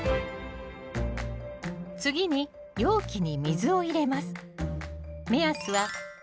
次に容器に水を入れます。